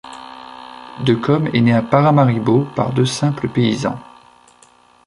De Kom est né à Paramaribo par deux simples paysans.